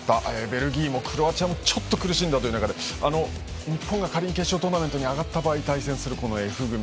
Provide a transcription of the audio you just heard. ベルギーもクロアチアもちょっと苦しんだという中で日本が仮に決勝トーナメントに上がった場合対戦する、このＦ組。